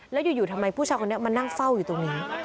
แล้วอยู่ทำไมผู้ชายคนนี้มานั่งเฝ้าอยู่ตรงนี้